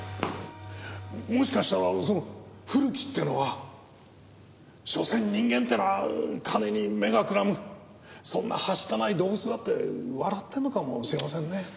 もしかしたらその古木っていうのはしょせん人間っていうのは金に目がくらむそんなはしたない動物だって笑ってるのかもしれませんね。